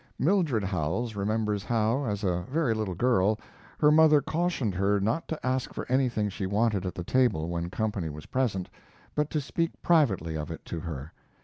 Mildred Howells remembers how, as a very little girl, her mother cautioned her not to ask for anything she wanted at the table when company was present, but to speak privately of it to her.